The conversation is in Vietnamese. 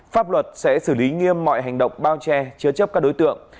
pháp luật sẽ xử lý nghiêm mọi hành động bao che chứa chấp các đối tượng